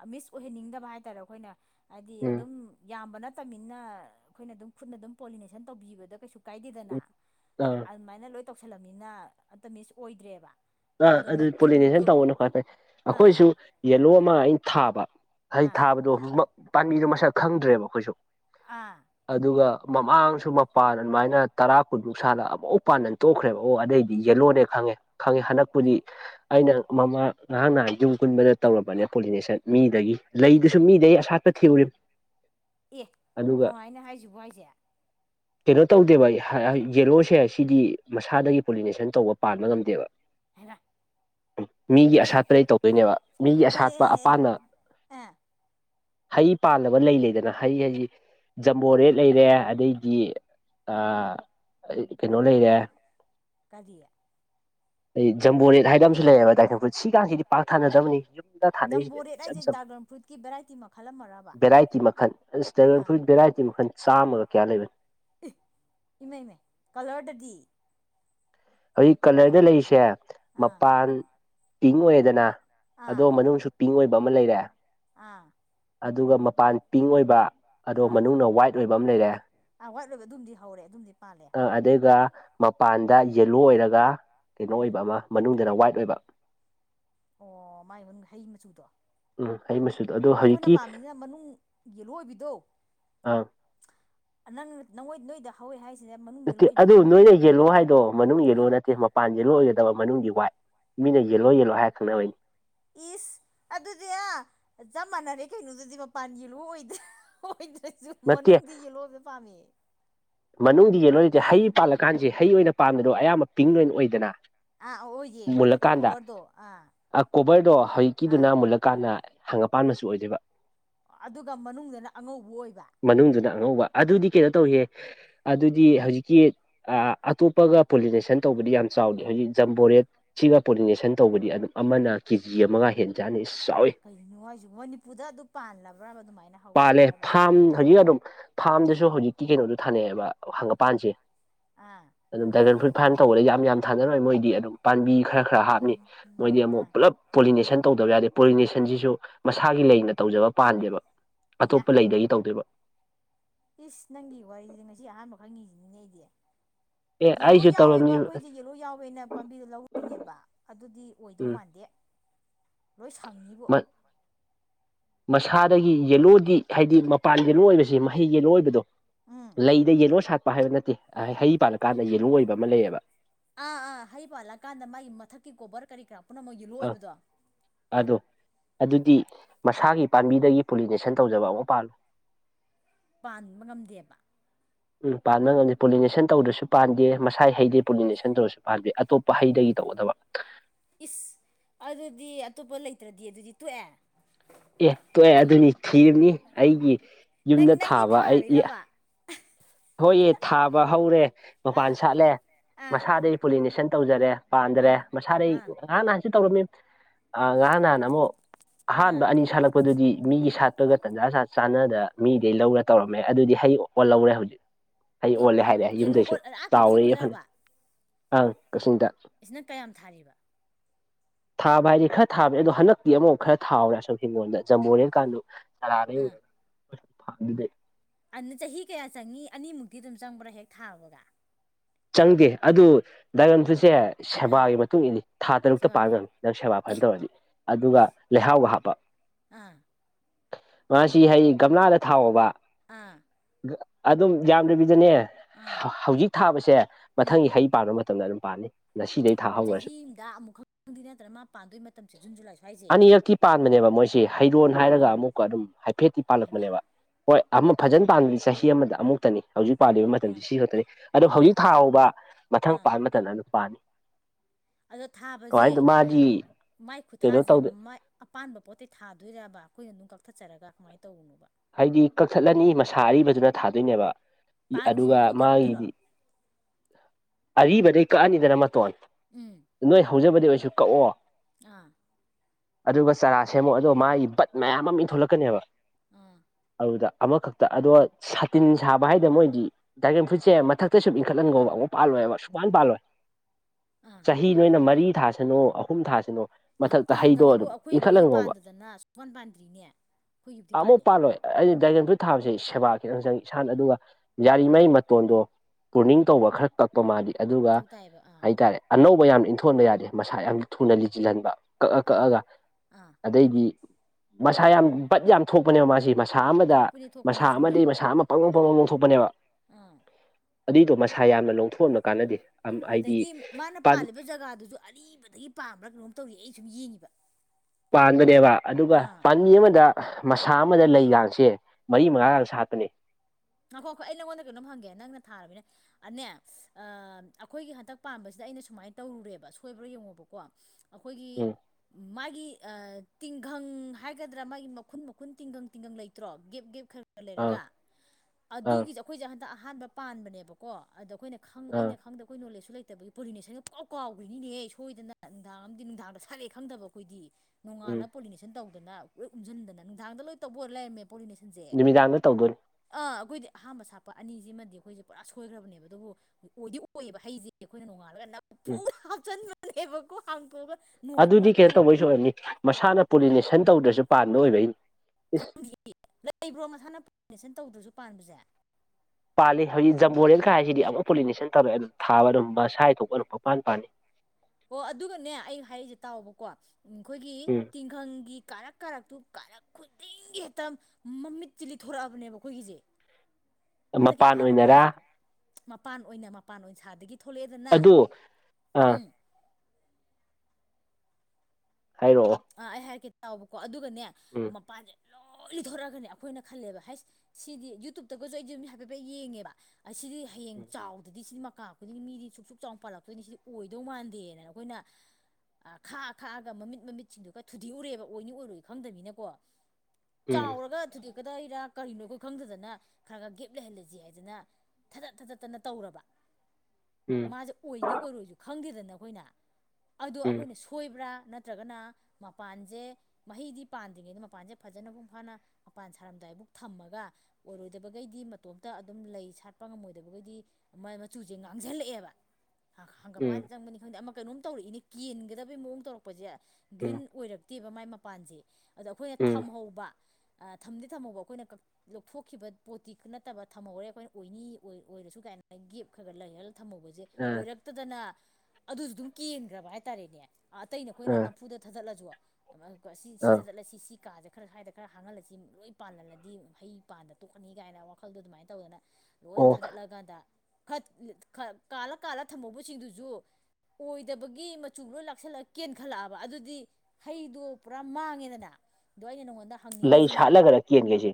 Speaker 1: ꯑ ꯃꯤꯁ ꯑꯣꯏꯍꯟꯅꯤꯡꯗꯕ ꯍꯥꯏꯇꯥꯔꯦ ꯑꯈꯣꯏꯅ ꯍꯥꯏꯗꯤ
Speaker 2: ꯎꯝ
Speaker 1: ꯑꯗꯨꯝ ꯌꯥꯝꯕ ꯅꯠꯇꯝꯃꯤꯅ ꯑꯩꯈꯣꯏꯅ ꯗꯨꯝ ꯈꯨꯠꯅ ꯗꯨꯝ ꯄꯣꯂꯤꯅꯦꯁꯟ ꯇꯧꯕꯤꯕꯗ ꯀꯩꯁꯨ ꯀꯥꯏꯗꯦꯗꯅꯥ
Speaker 2: ꯑꯥ
Speaker 1: ꯑꯗꯨꯃꯥꯏꯅ ꯂꯣꯏ ꯇꯧꯁꯜꯂꯝꯃꯤꯅ ꯑꯇ ꯃꯤꯁ ꯑꯣꯏꯗ꯭ꯔꯦꯕ
Speaker 2: ꯑꯥ
Speaker 1: ꯑꯗꯣ
Speaker 2: ꯑꯗꯨ
Speaker 1: ꯃꯆꯨꯗꯣ
Speaker 2: ꯄꯣꯂꯤꯅꯦꯁꯟ ꯇꯧꯕꯅ ꯈ꯭ꯋꯥꯏ ꯐꯩ ꯑꯈꯣꯏꯁꯨ
Speaker 1: ꯑꯥ
Speaker 2: ꯌꯦꯂꯣ
Speaker 1: ꯑꯥ
Speaker 2: ꯑꯃ ꯑꯩꯅ ꯊꯥꯕ ꯍꯩ
Speaker 1: ꯑꯥ
Speaker 2: ꯊꯥꯕꯗꯣ ꯃꯛ ꯄꯥꯟꯕꯤꯗꯣ ꯃꯁꯛ ꯈꯪꯗ꯭ꯔꯦꯕ ꯑꯈꯣꯏꯖꯨ
Speaker 1: ꯑꯥ
Speaker 2: ꯑꯗꯨꯒ ꯃꯃꯥꯡꯁꯨ ꯃꯄꯥꯟ ꯑꯗꯨꯃꯥꯏꯅ ꯇꯔꯥ ꯀꯨꯟꯃꯨꯛ ꯁꯥꯠꯂ ꯑꯃꯣꯛ ꯄꯥꯟꯅꯟ ꯇꯣꯛꯈ꯭ꯔꯦꯕ ꯑꯣ ꯑꯗꯩꯗꯤ ꯌꯦꯂꯣꯅꯦ ꯈꯪꯉꯦ ꯈꯪꯉꯦ ꯍꯟꯗꯛꯄꯨꯗꯤ ꯑꯩꯅ ꯃꯃꯥ ꯉꯔꯥꯡ ꯅꯍꯥꯟ ꯌꯨꯝ ꯀꯨꯟꯕꯗ ꯇꯧꯔꯕꯅꯦ ꯄꯣꯂꯤꯅꯦꯁꯟ ꯃꯤꯗꯒꯤ ꯂꯩꯗꯁꯨ ꯃꯤꯗꯩ ꯑꯁꯥꯠ ꯄ ꯊꯤꯌꯨꯔꯤꯞ
Speaker 1: ꯑꯦ ꯀꯃꯥꯏꯅ ꯍꯥꯏꯖꯤꯕꯣ ꯍꯥꯏꯖꯦ
Speaker 2: ꯀꯩꯅꯣ ꯇꯧꯗꯦꯕ ꯍꯥ ꯍꯥ ꯌꯦꯂꯣꯁꯦ ꯁꯤꯗꯤ ꯃꯁꯥꯗꯒꯤ ꯄꯣꯂꯤꯅꯦꯁꯟ ꯇꯧꯕ ꯄꯥꯟꯕ ꯉꯝꯗꯦꯕ
Speaker 1: ꯍꯥꯏꯃꯥ
Speaker 2: ꯃꯤꯒꯤ ꯑꯁꯥꯠꯄꯗꯩ ꯇꯧꯗꯣꯏꯅꯦꯕ ꯃꯤꯒꯤ
Speaker 1: ꯑꯦ
Speaker 2: ꯑꯁꯥꯠꯄ
Speaker 1: ꯑꯦ ꯑꯦ ꯑꯦ
Speaker 2: ꯑꯄꯥꯟꯕ
Speaker 1: ꯑꯥ
Speaker 2: ꯍꯩ ꯄꯥꯟꯗꯕ ꯂꯩ ꯂꯩꯗꯅꯥ ꯍꯩ ꯍꯥꯏꯖꯦ ꯖꯝꯕꯣ ꯔꯦꯗ ꯂꯩꯔꯦ ꯑꯗꯩꯗꯤ ꯑꯥ ꯀꯩ ꯀꯩꯅꯣ ꯂꯩꯔꯦ
Speaker 1: ꯀꯔꯤ
Speaker 2: ꯑꯩ ꯖꯝꯕꯣ ꯔꯦꯗ ꯍꯥꯏꯅ ꯑꯝꯖꯨ ꯂꯩꯌꯦꯕ ꯗ꯭ꯔꯥꯏꯒꯟꯐ꯭ꯔꯨꯠ ꯁꯤ ꯀꯥꯟꯖꯤꯗꯤ ꯄꯥꯛ ꯊꯥꯅꯕꯅꯤ ꯌꯨꯝꯗ ꯊꯥꯅ
Speaker 1: ꯖꯝꯕꯣ ꯔꯦꯗ ꯍꯥꯏꯖꯦ ꯗ꯭ꯔꯥꯒꯣꯟꯐ꯭ꯔꯨꯠꯀꯤ ꯚꯦꯔꯥꯏ ꯇꯤ ꯃꯈꯜ ꯑꯃꯔꯕ
Speaker 2: ꯚꯦꯔꯥꯏꯇꯤ ꯃꯈꯟ ꯑꯁ ꯗꯥꯏꯒꯟ
Speaker 1: ꯑꯥ
Speaker 2: ꯐ꯭ꯔꯨꯠ ꯚꯦꯔꯥꯏꯇꯤ ꯃꯈꯟ ꯆꯥꯝꯃꯒ ꯀꯌꯥ ꯂꯩꯕꯅꯤ
Speaker 1: ꯑꯦ ꯏꯃꯥꯏ ꯃꯥꯏ ꯀꯥꯂꯔꯗꯥꯗꯤ
Speaker 2: ꯍꯥꯌꯤꯛ ꯀꯥꯂꯔꯗ ꯂꯩꯔꯤꯁꯦ
Speaker 1: ꯑꯥ
Speaker 2: ꯃꯄꯥꯟ ꯄꯤꯡ ꯑꯣꯏꯌꯦꯗꯅꯥ ꯑꯗꯣ
Speaker 1: ꯑꯥ
Speaker 2: ꯃꯅꯨꯡꯁꯨ ꯄꯤꯡ ꯑꯣꯏꯕ ꯑꯃ ꯂꯩꯔꯦ
Speaker 1: ꯑꯥ
Speaker 2: ꯑꯗꯨꯒ ꯃꯄꯥꯟ ꯄꯤꯡ ꯑꯣꯏꯕ ꯑꯗꯣ
Speaker 1: ꯑꯥ
Speaker 2: ꯃꯅꯨꯡꯅ ꯋꯥꯏꯠ ꯑꯣꯏꯕ ꯑꯝ ꯂꯩꯔꯦ
Speaker 1: ꯑꯥ ꯋꯥꯠ ꯑꯣꯏꯕ ꯗꯨꯝ
Speaker 2: ꯑꯥ ꯑꯗꯨꯒꯥ ꯃꯄꯥꯟꯗ ꯌꯦꯂꯣ ꯑꯣꯏꯔꯒ ꯀꯩꯅꯣ
Speaker 1: ꯎꯝ
Speaker 2: ꯑꯣꯏꯕ ꯑꯃ ꯃꯅꯨꯡꯗꯅ ꯋꯥꯏꯠ ꯑꯣꯏꯕ
Speaker 1: ꯑꯣ ꯃꯥꯏ ꯃꯥꯅꯨꯡꯗ ꯍꯩ ꯃꯆꯨꯗꯣ
Speaker 2: ꯎꯝ ꯍꯩ ꯃꯆꯨꯗꯣ ꯑꯗꯣ
Speaker 1: ꯑꯈꯣꯏꯅ
Speaker 2: ꯍꯧꯖꯤꯛꯀꯤ
Speaker 1: ꯄꯥꯝꯃꯤꯖꯤꯅ ꯃꯅꯨꯡ ꯌꯦꯜꯂꯣ ꯑꯣꯏꯕꯤꯗꯣ
Speaker 2: ꯑ
Speaker 1: ꯑꯥ ꯅꯪ ꯅꯪꯉꯣꯏ ꯅꯣꯏꯗꯥ ꯍꯧꯋꯦ ꯍꯥꯏꯁꯤꯅ ꯃꯥꯅꯨꯡ
Speaker 2: ꯅꯠꯇꯦ ꯑꯗꯨ ꯅꯣꯏꯅ ꯌꯦꯜꯂꯣ ꯍꯥꯏꯗꯣ ꯃꯅꯨꯡ ꯌꯦꯜꯂꯣ
Speaker 1: ꯑꯥ
Speaker 2: ꯅꯠꯇꯦ ꯃꯞ ꯄꯥꯟ ꯌꯦꯜꯂꯣ ꯑꯣꯏꯒꯗꯕ ꯃꯅꯨꯡꯗꯤ ꯋꯥꯏꯠ ꯃꯤꯅ ꯌꯦꯜꯂꯣ ꯌꯦꯜꯂꯣ ꯍꯥꯏꯔ ꯈꯪꯅꯕꯩꯅꯤ
Speaker 1: ꯏꯁ ꯑꯗꯨꯗꯤ ꯑꯥ ꯆꯞ ꯃꯥꯟꯅꯔꯦ ꯀꯩꯅꯣꯗꯨꯗꯤ ꯃꯄꯥꯟ ꯌꯦꯂꯣ ꯑꯣꯏꯗꯥ ꯑꯣꯏꯗ꯭ꯔꯥꯖꯨ
Speaker 2: ꯅꯠꯇꯦ
Speaker 1: ꯃꯅꯨꯡꯗꯤ ꯌꯦꯂꯣ ꯑꯣꯏꯕ ꯄꯥꯝꯃꯦ
Speaker 2: ꯃꯅꯨꯡꯗꯤ ꯌꯦꯂꯣ ꯑꯣꯏꯔꯤꯖꯦ ꯍꯩ ꯄꯥꯜꯂꯀꯥꯟꯖꯦ ꯍꯩ ꯑꯣꯏꯅ ꯄꯥꯟꯕꯗꯣ ꯑꯌꯥꯝꯕ ꯄꯤꯡ ꯂꯣꯏ ꯑꯣꯏꯗꯅꯥ
Speaker 1: ꯑꯥ ꯑꯣꯏꯌꯦ ꯃꯊꯛꯀꯤ
Speaker 2: ꯃꯨꯜꯂꯀꯥꯟꯗ
Speaker 1: ꯀꯣꯕꯔꯗꯣ ꯑꯥ
Speaker 2: ꯑꯥ ꯀꯣꯕꯔꯗꯣ
Speaker 1: ꯑꯥ
Speaker 2: ꯍꯥꯋꯤꯛꯀꯤꯗꯨꯅ ꯃꯨꯜꯂꯀꯥꯟꯗ ꯍꯪꯒꯄꯥꯟ ꯃꯆꯨ ꯑꯣꯏꯗꯣꯏꯕ
Speaker 1: ꯑꯗꯨꯒꯥ ꯃꯅꯨꯡꯗꯅ ꯑꯉꯧꯕ ꯑꯣꯏꯕ
Speaker 2: ꯃꯅꯨꯡꯗꯨꯅ ꯑꯉꯧꯕ ꯑꯗꯨꯗꯤ ꯀꯦꯅꯣ ꯇꯧꯋꯤꯍꯦ ꯑꯗꯨꯗꯤ ꯍꯧꯖꯤꯛꯀꯤ ꯑꯥ ꯑꯇꯣꯞꯄꯒ ꯄꯣꯂꯤꯅꯦꯁꯟ ꯇꯧꯕꯗꯤ ꯌꯥꯝ ꯆꯥꯎꯗꯦ ꯍꯥꯏꯗꯤ ꯖꯝꯕꯣ ꯔꯦꯗ ꯁꯤꯒ ꯄꯣꯂꯤꯅꯦꯁꯟ ꯇꯧꯕꯗꯤ ꯑꯗꯨꯝ ꯑꯃꯅ ꯀꯦ ꯖꯤ ꯑꯃꯒ ꯍꯦꯟꯖꯥꯅꯤ ꯏꯁ ꯆꯥꯎꯋꯤ
Speaker 1: ꯀꯩꯅꯣ ꯍꯥꯏꯖꯤꯕꯣ ꯃꯅꯤꯄꯨꯔꯗꯥ ꯑꯗꯨ ꯄꯥꯜꯂꯕ꯭ꯔꯥꯕ ꯑꯗꯨꯃꯥꯏꯅ ꯍꯧ
Speaker 2: ꯄꯥꯜꯂꯦ
Speaker 1: ꯂꯩꯕ꯭ꯔꯕ
Speaker 2: ꯐꯥꯝ ꯍꯧꯖꯤꯛ ꯑꯗꯨꯝ ꯐꯥꯝꯗꯁꯨ ꯍꯧꯖꯤꯛꯀꯤ ꯀꯦꯅꯣꯗꯣ ꯊꯥꯅꯩꯑꯦꯕ ꯍꯪꯒꯄꯥꯟꯖꯦ
Speaker 1: ꯑꯥ
Speaker 2: ꯑꯗꯨꯝ ꯗ꯭ꯔꯥꯒꯟ ꯐ꯭ꯔꯨꯏꯠ ꯐꯥꯔꯝ ꯇꯧꯕꯗꯤ ꯌꯥꯝ ꯌꯥꯝ ꯊꯥꯅꯔꯣꯏ ꯃꯣꯏꯗꯤ ꯑꯗꯨꯝ ꯄꯥꯝꯕꯤ ꯈꯔ ꯈꯔ ꯍꯥꯞꯅꯤ ꯃꯣꯏꯗꯤ ꯑꯃꯨꯛ
Speaker 1: ꯑꯥ
Speaker 2: ꯄꯨꯂꯞ ꯄꯣꯂꯤꯅꯦꯁꯟ ꯇꯧꯗꯕ ꯌꯥꯗꯦ ꯄꯣꯂꯤꯅꯦꯁꯟꯁꯤꯁꯨ ꯃꯁꯥꯒꯤ ꯂꯩꯅ ꯇꯧꯖꯕ ꯄꯥꯟꯗꯦꯕ
Speaker 1: ꯑꯌꯥ
Speaker 2: ꯑꯇꯣꯞꯄ ꯂꯩꯗꯒꯤ ꯇꯧꯗꯣꯏꯕ
Speaker 1: ꯏꯁ ꯅꯪꯒꯤ ꯋꯥꯔꯤꯖꯤꯗꯤ ꯉꯁꯤ ꯑꯍꯥꯟꯕ ꯈꯪꯉꯤꯖꯤꯅꯤꯅꯦ ꯑꯩꯗꯤ
Speaker 2: ꯑꯦ
Speaker 1: ꯌꯦꯜꯂꯣ
Speaker 2: ꯑꯩꯁꯨ ꯇꯧꯔꯝꯅꯤ
Speaker 1: ꯌꯥꯎꯋꯦꯕ ꯑꯈꯣꯏꯗꯤ ꯌꯦꯂꯣ ꯌꯥꯎꯋꯦꯅ ꯄꯥꯝꯕꯤꯗꯣ ꯂꯧꯔꯨꯔꯤꯅꯦꯕ ꯑꯗꯨꯗꯤ ꯑꯣꯏꯗꯧ
Speaker 2: ꯎꯝ
Speaker 1: ꯃꯥꯟꯗꯦ ꯂꯣꯏ ꯁꯪꯉꯤꯕꯣ
Speaker 2: ꯃꯁꯥꯗꯒꯤ ꯌꯦꯂꯣꯗꯤ ꯍꯥꯏꯗꯤ ꯃꯄꯥꯟ ꯌꯦꯂꯣ ꯑꯣꯏꯕꯁꯦ ꯃꯍꯩ ꯌꯦꯂꯣ ꯑꯣꯏꯕꯗꯣ
Speaker 1: ꯎꯝ
Speaker 2: ꯂꯩꯗ ꯌꯦ ꯌꯦꯂꯣ ꯁꯥꯠꯄ ꯍꯥꯏꯕ ꯅꯠꯇꯦ ꯑꯥ ꯍꯩ ꯄꯥꯜꯂꯀꯥꯟꯗ ꯌꯦꯂꯣ ꯑꯣꯏꯕ ꯑꯃ ꯂꯩꯌꯦꯕ
Speaker 1: ꯑꯥ ꯑꯥ ꯍꯩ ꯄꯥꯜꯂꯀꯥꯟꯗ ꯃꯥꯒꯤ ꯃꯊꯛꯀꯤ ꯀꯣꯕꯔ ꯀꯔꯤ ꯀꯔꯥ ꯄꯨꯝꯅꯃꯛ
Speaker 2: ꯑꯪ
Speaker 1: ꯌꯦꯜꯂꯣꯑꯣꯏꯕꯗꯣ
Speaker 2: ꯑꯗꯣ ꯑꯗꯨꯗꯤ ꯃꯁꯥꯒꯤ ꯄꯥꯝꯕꯤꯗꯒꯤ ꯄꯣꯂꯤꯅꯦꯁꯟ ꯇꯧꯖꯕ ꯑꯃ ꯄꯥꯜ
Speaker 1: ꯄꯥꯟꯕ ꯉꯝꯗꯦꯕ
Speaker 2: ꯎꯝ ꯄꯥꯟꯕ ꯉꯝꯗꯦ ꯄꯣꯂꯤꯅꯦꯁꯟ ꯇꯧꯗ꯭ꯔꯥꯁꯨ ꯄꯥꯟꯗꯦ ꯃꯁꯥꯏ ꯍꯩꯗꯤ ꯄꯣꯂꯤꯅꯦꯁꯟ ꯇꯧꯔꯥꯁꯨ ꯄꯥꯟꯗꯦ ꯑꯇꯣꯞ ꯄꯥꯍꯩꯗꯒꯤ ꯇꯧꯒꯗꯕ
Speaker 1: ꯏꯁ ꯑꯗꯨꯗꯤ ꯑꯇꯣꯞꯄ ꯂꯩꯇ꯭ꯔꯥꯗꯤ ꯑꯗꯨꯗꯤ ꯇꯣꯛꯑꯦ
Speaker 2: ꯑꯦ ꯇꯣꯛꯑꯦ ꯑꯗꯨꯅꯤ ꯊꯤꯔꯤꯝꯅꯤ ꯑꯩꯒꯤ
Speaker 1: ꯅꯪ
Speaker 2: ꯌꯨꯝꯗ
Speaker 1: ꯅꯪꯒꯤ
Speaker 2: ꯊꯥꯕ ꯑꯩ ꯏ
Speaker 1: ꯊꯥꯔꯤꯔꯕ
Speaker 2: ꯍꯣꯏꯌꯦ ꯊꯥꯕ ꯍꯧꯔꯦ ꯃꯄꯥꯟ
Speaker 1: ꯑꯥ
Speaker 2: ꯁꯥꯠꯂꯦ
Speaker 1: ꯑꯥ
Speaker 2: ꯃꯁꯥꯗꯒꯤ ꯄꯣꯂꯤꯅꯦꯁꯟ ꯇꯧꯖꯔꯦ ꯄꯥꯟꯗꯔꯦ
Speaker 1: ꯑꯥ
Speaker 2: ꯃꯁꯥꯗꯩ
Speaker 1: ꯑꯥ
Speaker 2: ꯅꯍꯥꯟ ꯅꯍꯥꯟꯁꯨ ꯇꯧꯔꯝꯃꯤ ꯑ ꯉꯍꯥꯡ ꯅꯍꯥꯟ ꯑꯃꯨꯛ
Speaker 1: ꯑꯥ
Speaker 2: ꯑꯍꯥꯟꯕ ꯑꯅꯤ ꯁꯥꯟꯅ__ ꯄꯗꯨꯗꯤ ꯃꯤꯒꯤ ꯁꯥꯠꯄꯒ ꯇꯟꯖꯥ ꯁꯥ ꯆꯥꯟꯅꯗ ꯃꯤꯗꯩ ꯂꯧꯔ ꯇꯧꯔꯝꯃꯦ ꯑꯗꯨꯗꯤ ꯍꯩ ꯑꯣ ꯑꯣꯜꯂꯧꯔꯦ ꯍꯧꯖꯤꯛ ꯍꯩ
Speaker 1: ꯑꯦ
Speaker 2: ꯑꯣꯜꯂꯦ ꯍꯥꯏꯔꯦ ꯑꯩ
Speaker 1: ꯌꯦꯂꯣ
Speaker 2: ꯌꯨꯝꯗꯩꯁꯨ
Speaker 1: ꯑꯣꯜ ꯑꯥ
Speaker 2: ꯆꯥꯎꯔꯦꯌꯦ ꯐꯅ
Speaker 1: ꯀꯛꯆꯤꯡꯗ꯭ꯔꯕ
Speaker 2: ꯑꯪ ꯀꯛꯆꯤꯡꯗ
Speaker 1: ꯏꯁ ꯅꯪ ꯀꯌꯥꯝ ꯊꯥꯔꯤꯕ
Speaker 2: ꯊꯥꯕ ꯍꯥꯏꯗꯤ ꯈꯔꯥ ꯊꯥꯕꯅꯦ ꯑꯗꯣ ꯍꯟꯗꯛꯇꯤ ꯑꯃꯨꯛ ꯈꯔ ꯊꯥꯎꯔꯦ ꯁꯝ ꯍꯤꯡꯒꯣꯜꯗ ꯖꯃꯣꯔꯦ ꯀꯥꯟꯗꯣ ꯆꯔꯥꯗꯩ ꯑꯣꯏꯕ [unintelligible] ꯐꯪꯗꯦ
Speaker 1: ꯑꯟ ꯆꯍꯤ ꯀꯌꯥ ꯆꯪꯉꯤ ꯑꯅꯤꯃꯨꯛꯇꯤ ꯑꯗꯨꯝ ꯆꯪꯕ꯭ꯔꯥ ꯍꯦꯛ ꯊꯥꯕꯒ
Speaker 2: ꯆꯪꯗꯦ ꯑꯗꯨ ꯗꯥꯏꯒꯟ ꯐ꯭ꯔꯨꯠꯁꯦ
Speaker 1: ꯑꯥ
Speaker 2: ꯁꯦꯕꯥꯒꯤ ꯃꯇꯨꯡ ꯏꯂꯤ ꯊꯥ ꯇꯔꯨꯛꯇ ꯄꯥꯟ
Speaker 1: ꯁꯦꯕꯥꯒꯤ
Speaker 2: ꯉꯝꯅꯤ ꯅꯪ ꯁꯦꯕꯥ
Speaker 1: ꯑꯦ
Speaker 2: ꯐꯟ ꯇꯧꯔꯗꯤ ꯑꯗꯨꯒ ꯂꯩꯍꯥꯎꯒ ꯍꯥꯞꯄ
Speaker 1: ꯑꯥ
Speaker 2: ꯃꯥꯁꯤ ꯍꯩ ꯒꯝꯂꯥꯗ ꯊꯥꯎꯑꯣꯕ
Speaker 1: ꯑꯥ
Speaker 2: ꯒ꯭ꯂꯥ ꯑꯗꯨꯝ ꯌꯥꯝꯗꯕꯤꯗꯅꯦ
Speaker 1: ꯑꯥ
Speaker 2: ꯍꯥ ꯍꯧꯖꯤꯛ ꯊꯥꯕꯁꯦ ꯃꯊꯪꯒꯤ ꯍꯩ ꯄꯥꯟꯕ ꯃꯇꯝꯗ ꯑꯗꯨꯝ ꯄꯥꯟꯅꯤ ꯉꯁꯤꯗꯩ ꯊꯥꯍꯧꯒ꯭ꯔꯁꯨ
Speaker 1: ꯑꯆꯍꯤ ꯑꯝꯗ ꯑꯃꯨꯛ ꯈꯪ ꯈꯪꯗꯤ ꯅꯠꯇ꯭ꯔ ꯃꯥꯄꯥꯟꯗꯣꯏ ꯃꯇꯝꯁꯦ ꯖꯨꯟ ꯖꯨꯂꯥꯏ ꯁ꯭ꯋꯥꯏꯖꯦ
Speaker 2: ꯑꯅꯤꯔꯛꯇꯤ ꯄꯥꯟꯕꯅꯦꯕ ꯃꯣꯏꯁꯤ ꯍꯩꯔꯣꯟ ꯍꯥꯏꯔꯒ ꯑꯃꯨꯛꯀ ꯑꯗꯨꯝ ꯍꯥꯏꯐꯦꯠꯇꯤ
Speaker 1: ꯑꯩꯃ
Speaker 2: ꯄꯥꯜꯂꯛꯄꯅꯦꯕ ꯍꯣꯏ ꯑꯃ ꯐꯖꯟ ꯄꯥꯟꯕꯗꯤ ꯆꯍꯤ ꯑꯃꯗ ꯑꯃꯨꯛꯇꯅꯤ ꯍꯧꯖꯤꯛ ꯄꯥꯜꯂꯤꯕ ꯃꯇꯝꯁꯤ
Speaker 1: ꯑꯥ
Speaker 2: ꯁꯤ ꯈꯛꯇꯅꯤ ꯑꯗꯣ ꯍꯧꯖꯤꯛ
Speaker 1: ꯑꯥ
Speaker 2: ꯊꯥꯑꯣꯕ ꯃꯊꯪ ꯄꯥꯟ ꯃꯇꯝꯗ ꯑꯗꯨꯝ ꯄꯥꯟꯅꯤ
Speaker 1: ꯑꯗꯥ
Speaker 2: ꯀꯃꯥꯏꯅ
Speaker 1: ꯊꯥꯕꯖꯪ
Speaker 2: ꯃꯥꯗꯤ
Speaker 1: ꯃꯥꯏ
Speaker 2: ꯀꯩꯅꯣ
Speaker 1: ꯈꯨꯊꯥꯖꯦ
Speaker 2: ꯇꯧꯗ
Speaker 1: ꯃꯥꯏ ꯑꯄꯥꯟꯕ ꯄꯣꯠꯇꯩ ꯊꯥꯗꯣꯏꯔꯕ ꯑꯩꯈꯣꯏꯅ ꯑꯗꯨꯝ ꯀꯛꯊꯠꯆꯔꯒ ꯀꯃꯥꯏ ꯇꯧꯕꯅꯣꯕ
Speaker 2: ꯍꯥꯏꯗꯤ ꯀꯛꯊꯠꯂꯅꯤ ꯃꯁꯥ ꯑꯔꯤꯕꯗꯨꯅ ꯊꯥꯗꯣꯏꯅꯦꯕ ꯏ
Speaker 1: ꯄꯥꯟꯈꯤꯕ
Speaker 2: ꯑꯗꯨꯒ
Speaker 1: ꯄꯣꯠꯇꯩ ꯀꯛꯇꯣꯏꯔꯣ
Speaker 2: ꯃꯥꯒꯤꯗꯤ ꯑꯔꯤꯕꯗꯩ ꯀꯛꯑꯅꯤꯗꯅ ꯃꯇꯣꯟ
Speaker 1: ꯎꯝ
Speaker 2: ꯅꯣꯏ ꯍꯧꯖꯕꯗꯤꯒꯤ ꯑꯣꯏꯁꯨ ꯀꯛꯑꯣ
Speaker 1: ꯑꯥ
Speaker 2: ꯑꯗꯨꯒ ꯆꯔꯥ ꯁꯦꯝꯃꯣ ꯑꯗꯣ ꯃꯥꯏ ꯕꯠ ꯃꯌꯥꯝ ꯑꯃ ꯏꯟꯊꯣꯂꯛꯀꯅꯦꯕ
Speaker 1: ꯑꯥ
Speaker 2: ꯑꯗꯨꯗ ꯑꯃꯈꯛꯇ ꯑꯗꯣ ꯁꯥꯇꯤꯟ ꯁꯥꯕ ꯍꯥꯏꯗ ꯃꯣꯏꯗꯤ ꯗꯥꯏꯒꯟ ꯐ꯭ꯔꯨꯏꯠꯁꯦ ꯃꯊꯛ ꯑꯥꯗ ꯁꯨꯝ ꯏꯟꯈꯠꯂꯟꯒꯣꯕ ꯑꯃꯨꯛ ꯄꯥꯜꯂꯣꯏꯕ ꯁꯨꯛꯄꯥꯟ ꯄꯥꯜꯂꯣꯏ
Speaker 1: ꯑꯥ
Speaker 2: ꯆꯍꯤ ꯅꯣꯏꯅ ꯃꯔꯤ ꯊꯥꯔꯁꯨ ꯁꯥꯅꯣ ꯑꯍꯨꯝ ꯊꯥꯁꯅꯣ
Speaker 1: ꯃꯥ ꯄꯥꯟꯗꯕꯕꯨ ꯑꯩꯈꯣꯏ ꯏꯕꯣꯛꯍꯣꯏꯒꯤ ꯄꯥꯟꯗꯗꯅ ꯁꯨꯛꯄꯥꯟ ꯄꯥꯟꯗ꯭ꯔꯤꯅꯦ ꯑꯩꯈꯣꯏꯒꯤꯕꯨꯗꯤ ꯄꯥꯜꯂꯦ
Speaker 2: ꯑꯂꯣꯏ ꯑꯩꯗꯤ ꯗ꯭ꯔꯥꯒꯟ ꯐ꯭ꯔꯨꯠ ꯊꯥꯕꯁꯦ ꯁꯦꯕꯥ ꯈꯤꯇꯪ ꯆꯪꯉꯦ ꯏꯁꯥꯅ ꯑꯗꯨꯒ ꯌꯥꯔꯤ
Speaker 1: ꯎꯝ
Speaker 2: ꯃꯩ ꯃꯠ__ ꯇꯣꯟꯗꯣ ꯄꯨꯔꯅꯤꯡ ꯇꯧꯕ ꯈꯔ ꯀꯛꯄ ꯃꯥꯗꯤ ꯑꯗꯨꯒ
Speaker 1: ꯃꯊꯧ ꯇꯥꯏꯌꯦꯕ ꯑꯥ
Speaker 2: ꯍꯥꯏꯇꯥꯔꯦ ꯑꯅꯧꯕ ꯌꯥꯝ ꯏꯟꯊꯣꯛꯍꯟꯕ ꯌꯥꯗꯦ ꯃꯁꯥ ꯌꯥꯝ ꯊꯨꯅ ꯂꯤꯖꯤꯟꯍꯟꯕ ꯀꯛꯑ
Speaker 1: ꯑꯥ
Speaker 2: ꯀꯛꯑꯒ
Speaker 1: ꯑꯥ
Speaker 2: ꯑꯠ ꯑꯗꯩꯗꯤ ꯃꯁꯥ ꯌꯥꯝ ꯕꯠ ꯌꯥꯝ ꯊꯣꯛꯄꯅꯦꯕ ꯃꯥꯁꯤ ꯃꯁꯥ ꯑꯃꯗ
Speaker 1: ꯊꯣꯛꯄꯅꯤ ꯊꯣꯛꯄꯅꯤ
Speaker 2: ꯃꯁꯥ
Speaker 1: ꯆꯨꯝꯃꯤ
Speaker 2: ꯑꯃꯗꯒꯤ ꯃꯁꯥ ꯑꯃ ꯄꯪꯂꯣꯡ ꯄꯪꯂꯣꯡ ꯂꯣꯡꯊꯣꯛꯄꯅꯦꯕ
Speaker 1: ꯑꯥ
Speaker 2: ꯑꯗꯨꯏꯗꯣ ꯃꯁꯥ ꯌꯥꯝꯅ ꯂꯣꯡꯊꯣꯛꯍꯟꯕ ꯀꯥꯟꯅꯗꯦ
Speaker 1: ꯑꯗꯒꯤ
Speaker 2: ꯍꯥꯏꯗꯤ
Speaker 1: ꯃꯥꯅ
Speaker 2: ꯄꯥꯟ
Speaker 1: ꯄꯥꯜꯂꯤꯕ ꯖꯒꯥꯗꯨꯖꯨ ꯑꯔꯤꯕꯗꯒꯤ ꯄꯥꯝꯕ꯭ꯔꯥ ꯀꯩꯅꯣꯝ ꯇꯧꯔꯤ ꯑꯩ ꯁꯨꯝ ꯌꯦꯡꯉꯤꯕ
Speaker 2: ꯄꯥꯟꯕꯅꯦꯕ ꯑꯗꯨꯒ
Speaker 1: ꯑꯥ
Speaker 2: ꯄꯥꯟꯃꯤ ꯑꯃꯗ ꯑꯥ ꯃꯁꯥ ꯑꯃꯗ ꯂꯩꯒꯁꯦ ꯃꯔꯤ ꯃꯉꯥꯒ ꯁꯥꯠꯄꯅꯦ
Speaker 1: ꯉꯥꯈꯣ ꯉꯥꯈꯣ ꯑꯩ ꯅꯉꯣꯟꯗ ꯀꯩꯅꯣꯝ ꯍꯪꯒꯦ ꯅꯪꯅ ꯊꯥꯔꯕꯅꯤꯅ ꯑꯅꯦ ꯑꯥ ꯑꯩꯈꯣꯏꯒꯤ ꯍꯟꯗꯛ ꯄꯥꯟꯕꯁꯤꯗ ꯑꯩꯅ ꯁꯨꯃꯥꯏ ꯇꯧꯔꯨꯔꯦꯕ ꯁꯣꯏꯕ꯭ꯔꯥ ꯌꯦꯡꯉꯣꯕꯀꯣ ꯑꯈꯣꯏꯒꯤ
Speaker 2: ꯎꯝ
Speaker 1: ꯃꯥꯒꯤ ꯑꯥ ꯇꯤꯡꯘꯪ ꯍꯥꯏꯒꯗ꯭ꯔꯥ ꯃꯥꯒꯤ ꯃꯈꯨꯟ ꯃꯈꯨꯟ ꯇꯤꯡꯒꯪ ꯇꯤꯡꯒꯪ ꯂꯩꯇ꯭ꯔꯣ ꯒꯦꯞ ꯒꯦꯞ ꯈꯔ ꯈꯔ
Speaker 2: ꯑꯥ
Speaker 1: ꯂꯩꯔꯒ
Speaker 2: ꯑꯥ
Speaker 1: ꯑꯗꯨꯒꯤꯁꯨ ꯑꯈꯣꯏꯁꯦ ꯍꯟꯗꯛ ꯑꯍꯥꯟꯕ ꯄꯥꯟꯕꯅꯦꯕꯀꯣ ꯑꯗꯣ ꯑꯩꯈꯣꯏꯅ ꯈꯪ
Speaker 2: ꯑꯥ
Speaker 1: ꯑꯩꯅ ꯈꯪꯗꯕ ꯑꯩꯈꯣꯏ ꯅꯣꯂꯦꯖꯁꯨ ꯂꯩꯇꯕꯒꯤ ꯄꯣꯂꯤꯅꯦꯁꯟꯒꯥ ꯄꯨꯡꯀꯥꯎ ꯀꯥꯎꯈ꯭ꯔꯤꯅꯤꯅꯦꯍꯦ ꯁꯣꯏꯗꯅ ꯅꯨꯡꯗꯥꯡ ꯑꯃꯗꯤ ꯅꯨꯡꯗꯥꯡꯗ ꯁꯥꯠꯂꯦ ꯈꯪꯗꯕ ꯑꯈꯣꯏꯗꯤ
Speaker 2: ꯎꯝ
Speaker 1: ꯅꯣꯡꯉꯥꯜꯂ ꯄꯣꯂꯤꯅꯦꯁꯟ ꯇꯧꯗꯅ ꯂꯣꯏ ꯎꯝꯖꯤꯟꯗꯅ ꯅꯨꯡꯗꯥꯡꯗ ꯂꯣꯏ ꯇꯧꯕ ꯑꯣꯏ ꯂꯩꯔꯝꯃꯦ ꯄꯣꯂꯤꯅꯦꯁꯟꯁꯦ
Speaker 2: ꯅꯨꯃꯤꯗꯥꯡꯗ ꯇꯧꯗꯣꯏꯅꯤ
Speaker 1: ꯑꯥ ꯑꯈꯣꯏꯗꯤ ꯑꯍꯥꯟꯕ ꯁꯥꯠꯄ ꯑꯅꯤꯁꯤꯃꯗꯤ ꯑꯈꯣꯏꯁꯦ ꯄꯨꯔꯥ ꯁꯣꯏꯈ꯭ꯔꯕꯅꯦꯕ ꯑꯗꯨꯕꯨ ꯑꯣꯏꯗꯤ ꯑꯣꯏꯌꯦꯕ ꯍꯩꯁꯦ ꯑꯩꯈꯣꯏꯅ ꯅꯣꯡꯉꯥꯜꯂꯒ
Speaker 2: ꯎꯝ
Speaker 1: ꯅꯝꯐꯨꯗ ꯍꯥꯞꯆꯤꯟꯕꯅꯦꯕꯀꯣ ꯍꯥꯡꯗꯣꯛꯑꯒ
Speaker 2: ꯑꯗꯨꯗꯤ ꯀꯩꯅꯣ ꯇꯧꯕꯩꯁꯨ ꯑꯣꯏꯔꯝꯅꯤ ꯃꯁꯥꯅ ꯄꯣꯂꯤꯅꯦꯁꯟ ꯇꯧꯗ꯭ꯔꯁꯨ ꯄꯥꯟꯕ ꯑꯣꯏꯕꯩꯅꯤ ꯏꯁ
Speaker 1: ꯈꯪꯗꯤꯌꯦ ꯂꯩꯕ꯭ꯔꯣ ꯃꯁꯥꯅ ꯄꯣꯂꯤꯅꯦꯁꯟ ꯇꯧꯗ꯭ꯔꯁꯨ ꯄꯥꯟꯕꯁꯦ
Speaker 2: ꯄꯥꯜꯂꯤ ꯍꯧꯖꯤꯛ ꯖꯝꯕꯣꯗ ꯊꯥꯏꯁꯤꯗꯤ ꯑꯃꯨꯛ ꯄꯣꯂꯤꯅꯦꯁꯟ ꯇꯧꯔꯦ ꯊꯥꯕ ꯑꯗꯨꯝ ꯃꯁꯥꯏ ꯊꯣꯛꯄ ꯑꯗꯨꯝ ꯄꯪꯄꯥꯟ ꯄꯥꯟꯅꯤ
Speaker 1: ꯑꯣ ꯑꯗꯨꯒꯅꯦ ꯑꯩ ꯍꯥꯏꯔꯤꯁꯦ ꯇꯥꯎꯑꯣꯕꯀꯣ ꯎꯝ ꯑꯈꯣꯏꯒꯤ
Speaker 2: ꯎꯝ
Speaker 1: ꯇꯤꯡ ꯈꯪꯒꯤ ꯀꯥꯔꯛ ꯀꯥꯔꯛꯇꯨ ꯀꯥꯔꯛ ꯈꯨꯗꯤꯡꯒꯤ ꯍꯦꯛꯇ ꯃꯃꯤꯠꯁꯤ ꯂꯤꯊꯣꯔꯛꯔꯛꯑꯕꯅꯦꯕ ꯑꯈꯣꯏꯒꯤꯁꯦ ꯍꯟꯗꯛꯀꯤ
Speaker 2: ꯃꯄꯥꯟ
Speaker 1: ꯑꯍꯥꯟꯕ
Speaker 2: ꯑꯣꯏꯅꯔꯥ
Speaker 1: ꯄꯥꯟꯕꯁꯦ ꯃꯄꯥꯟ ꯑꯣꯏꯅ ꯃꯄꯥꯟ ꯑꯣꯏꯅ ꯁꯥꯗꯒꯤ ꯊꯣꯛꯂꯛꯑꯦꯗꯅ
Speaker 2: ꯑꯗꯨ ꯑꯥ
Speaker 1: ꯎꯝ
Speaker 2: ꯍꯥꯏꯔꯛꯑꯣ
Speaker 1: ꯑꯥ ꯑꯩ ꯍꯥꯏꯔꯛꯀꯦ ꯇꯥꯎꯕꯀꯣ ꯑꯗꯨꯒꯅꯦ
Speaker 2: ꯎꯝ
Speaker 1: ꯃꯄꯥꯟꯁꯦ ꯂꯣꯏ ꯂꯤꯊꯣꯔꯛꯑꯒꯅꯦ ꯑꯈꯣꯏꯅ ꯈꯜꯂꯦꯕ ꯍꯁ ꯁꯤꯗꯤ ꯌꯨꯇꯨꯨꯞꯇꯒꯁꯨ ꯑꯩꯗꯤ ꯑꯗꯨꯝ ꯍꯥꯏꯐꯦꯠ ꯍꯥꯏꯐꯦꯠ ꯌꯦꯡꯉꯦꯕ ꯑꯁ ꯁꯤꯗꯤ ꯍꯌꯦꯡ
Speaker 2: ꯎꯝ
Speaker 1: ꯆꯥꯎꯗ꯭ꯔꯗꯤ ꯁꯤꯗꯤ ꯃꯀꯥ ꯈꯨꯗꯤꯡꯒꯤ ꯃꯤꯗꯤ ꯁꯨꯛ ꯁꯨꯛ ꯆꯥꯎꯅ ꯄꯥꯜꯂꯛꯇꯣꯏꯅꯤ ꯁꯤꯗꯤ ꯑꯣꯏꯗꯧ ꯃꯥꯟꯗꯦꯅ ꯑꯈꯣꯏꯅ ꯈꯥꯛꯑ ꯈꯥꯛꯑꯒ ꯃꯃꯤꯠ ꯃꯃꯤꯠ ꯁꯤꯡꯗꯨꯒꯥ ꯊꯨꯗꯦꯛꯎꯔꯦꯕ ꯑꯣꯏꯅꯤ ꯑꯣꯏꯔꯣꯏ ꯈꯪꯗꯅꯤꯅꯀꯣ ꯆꯥꯎꯔꯒꯥ ꯊꯨꯗꯦꯛ ꯀꯗꯥꯏꯔꯥ ꯀꯔꯤꯅꯣ ꯑꯈꯣꯏ ꯈꯪꯗꯗꯅ ꯈꯔ ꯈꯔ ꯒꯦꯞ ꯂꯩꯍꯜꯂꯁꯤ ꯍꯥꯏꯗꯅ ꯊꯗꯠ ꯊꯗꯠꯇꯅ ꯇꯧꯔꯕ
Speaker 2: ꯎꯝ
Speaker 1: ꯃꯥꯁꯦ ꯑꯣꯏꯅꯤ ꯑꯣꯏꯔꯣꯏꯁꯨ ꯈꯪꯗꯦꯗꯅ ꯑꯈꯣꯏꯅ ꯑꯗꯣ
Speaker 2: ꯎꯝ
Speaker 1: ꯑꯈꯣꯏꯅ ꯁꯣꯏ ꯁꯣꯏꯕ꯭ꯔꯥ ꯅꯠꯇ꯭ꯔꯒꯅ ꯃꯄꯥꯟꯁꯦ ꯃꯍꯩꯗꯤ ꯄꯥꯟꯗ꯭ꯔꯤꯉꯩꯗ ꯃꯄꯥꯟꯁꯦ ꯐꯖꯅ ꯃꯄꯨꯡ ꯐꯥꯅ ꯃꯄꯥꯟ ꯁꯥꯔꯝꯗꯥꯏꯐꯥꯎ ꯊꯝꯃꯒ ꯑꯣꯏꯔꯣꯏꯗꯕꯒꯩꯗꯤ ꯃꯇꯣꯝꯇ ꯑꯗꯨꯝ ꯂꯩ ꯁꯥꯠꯄ ꯉꯝꯃꯣꯏꯗꯕꯒꯩꯗꯤ ꯃꯥꯏ ꯃꯆꯨꯖꯦ ꯉꯥꯡꯖꯜꯂꯛꯑꯦꯕ ꯍꯪꯒꯥꯝꯄꯥꯟ
Speaker 2: ꯎꯝ
Speaker 1: ꯆꯪꯕꯅꯤ ꯈꯪꯗꯦ ꯑꯃ ꯀꯩꯅꯣꯝ ꯇꯧꯔꯛꯏꯅꯦ ꯀꯦꯟꯒꯗꯕꯩ ꯃꯑꯣꯡ ꯇꯧꯔꯛꯄꯖꯦ ꯒ꯭ꯔꯤꯟ
Speaker 2: ꯎꯝ
Speaker 1: ꯑꯣꯏꯔꯛꯇꯦ ꯃꯥꯏ ꯃꯄꯥꯟꯖꯦ ꯑꯗ ꯑꯈꯣꯏꯅ
Speaker 2: ꯎꯝ
Speaker 1: ꯊꯝꯍꯧꯕ ꯊꯝꯗꯤ ꯊꯝꯍꯧꯕ ꯑꯈꯣꯏꯅ ꯀꯛ ꯂꯧꯊꯣꯛꯈꯤꯕ ꯄꯣꯠꯇꯤ ꯅꯠꯇꯕ ꯊꯝꯍꯧꯔꯦ ꯑꯩꯈꯣꯏꯅ ꯑꯣꯏꯅꯤ ꯑꯣꯏꯔꯁꯨ ꯀꯥꯏꯅ ꯒꯦꯞ ꯈꯔ ꯈꯔ ꯂꯩ ꯍꯜꯔꯒ ꯊꯝꯍꯧꯕꯁꯦ
Speaker 2: ꯑꯥ
Speaker 1: ꯑꯣꯏꯔꯛꯇꯗꯅ ꯑꯗꯨꯁꯨ ꯑꯗꯨꯝ ꯀꯦꯟꯒ꯭ꯔꯕ ꯍꯥꯏꯇꯥꯔꯦꯅꯦ ꯑꯇꯩꯅꯥ ꯑꯈꯣꯏꯅ
Speaker 2: ꯑꯥ
Speaker 1: ꯅꯝꯐꯨꯗ ꯊꯗꯠꯂꯁꯨ ꯁꯤ ꯁꯤ
Speaker 2: ꯑꯥ
Speaker 1: ꯊꯗꯠꯂꯁꯤ ꯁꯤ ꯀꯥꯁꯦ ꯈꯔ ꯁ꯭ꯋꯥꯏꯗ ꯈꯔ ꯍꯥꯡꯍꯜꯂꯁꯤ ꯂꯣꯏ ꯄꯥꯜꯍꯜꯂꯗꯤ ꯍꯩ ꯄꯥꯟꯗ ꯇꯣꯛꯀꯅꯤ ꯀꯥꯏꯅ ꯋꯥꯈꯜꯗꯣ ꯑꯗꯨꯃꯥꯏꯅ ꯇꯧꯗꯅ ꯂꯣꯏ
Speaker 2: ꯑꯣ
Speaker 1: ꯊꯥꯗꯠꯂꯀꯥꯟꯗ ꯈꯔ ꯀꯥꯜꯂ ꯀꯥꯜꯂ ꯊꯝꯍꯧꯕ ꯁꯤꯡꯗꯨꯁꯨ ꯑꯣꯏꯗꯕꯒꯤ ꯃꯆꯨ ꯈꯔ ꯂꯥꯛꯁꯜꯂ ꯀꯦꯟꯈꯠꯂꯛꯑꯕ ꯑꯗꯨꯗꯤ ꯍꯩꯗꯣ ꯄꯨꯔꯥ ꯃꯥꯡꯉꯦꯗꯅ ꯑꯗꯣ ꯑꯩꯅꯥ ꯅꯉꯣꯟꯗ
Speaker 2: ꯂꯩ
Speaker 1: ꯐꯪꯅꯤꯡꯉꯤꯖꯤꯅ
Speaker 2: ꯁꯥꯠꯂꯒꯔ ꯀꯦꯟꯒꯩꯁꯦ